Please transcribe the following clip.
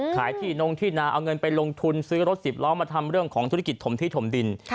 ขายที่นงที่นาเอาเงินไปลงทุนซื้อรถสิบล้อมาทำเรื่องของธุรกิจถมที่ถมดิน